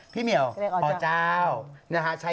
พี่เหมียวอาร์เจ้า